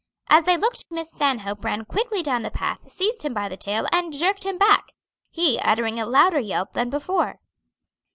As they looked Miss Stanhope ran quickly down the path, seized him by the tail, and jerked him back, he uttering a louder yelp than before.